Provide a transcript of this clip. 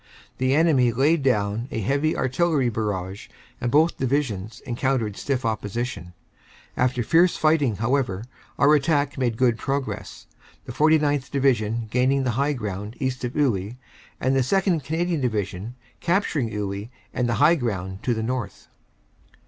The enemy laid down a heavy Artillery barrage and both Divisions encountered stiff opposition. After fierce fighting, however, our attack made good progress, the 49th. Division gaining the high ground east of Iwuy, and the 2nd. Canadian Division capturing Iwuy and the high ground to the north.